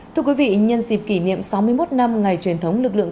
thưa quý vị nhân dịp kỷ niệm sáu mươi một năm ngày truyền thống lực lượng